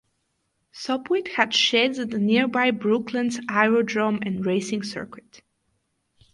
Sopwith had sheds at the nearby Brooklands aerodrome and racing circuit.